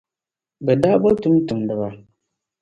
Bɛ daa bo tumtumdiba.